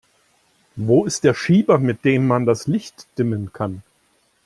Wo ist der Schieber, mit dem man das Licht dimmen kann?